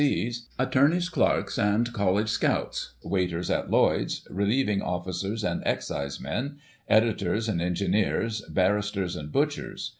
*s, attorneys* clerks and college scouts, waiters at Lloyd's, relieving officers and excisemen, editors and engineers, barristers and butchers.